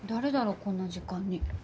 こんな時間に。